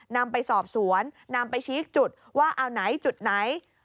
นำไปสอบสวนนำไปชี้จุดว่าเอาไหนจุดไหน